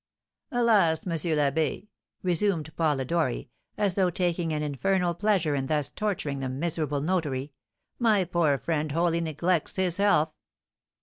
"Alas, M. l'Abbé!" resumed Polidori, as though taking an infernal pleasure in thus torturing the miserable notary, "my poor friend wholly neglects his health.